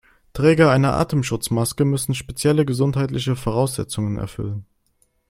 Träger einer Atemschutzmaske müssen spezielle gesundheitliche Voraussetzungen erfüllen.